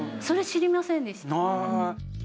それ知りませんでした。